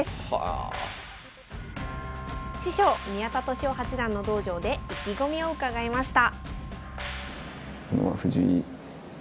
師匠宮田利男八段の道場で意気込みを伺いました。